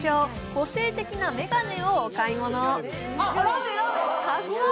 個性的な眼鏡をお買い物。